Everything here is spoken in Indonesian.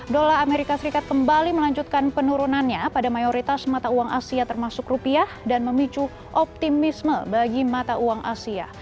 dolar amerika serikat kembali melanjutkan penurunannya pada mayoritas mata uang asia termasuk rupiah dan memicu optimisme bagi mata uang asia